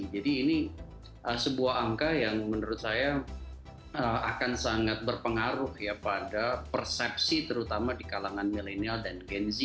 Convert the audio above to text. jadi ini sebuah angka yang menurut saya akan sangat berpengaruh ya pada persepsi terutama di kalangan milenial dan gen z